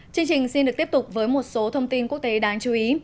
chương trình xin được tiếp tục với một số thông tin quốc tế đáng chú ý